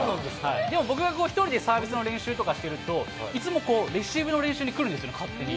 でも僕が１人でサービスの練習とかしてると、いつもこう、レシーブの練習に来るんですよ、勝手に。